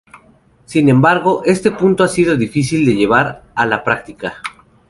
Sin embargo, este punto ha sido difícil de llevar a la práctica.